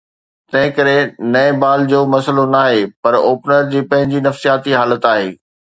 تنهنڪري نئين بال جو مسئلو ناهي، پر اوپنر جي پنهنجي نفسياتي حالت آهي.